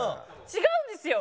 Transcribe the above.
違うんですよ。